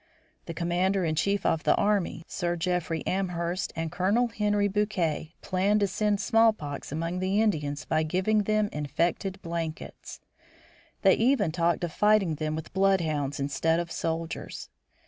The commander in chief of the army, Sir Jeffrey Amherst, and Colonel Henry Bouquet planned to send smallpox among the Indians by giving them infected blankets. They even talked of fighting them with bloodhounds instead of soldiers.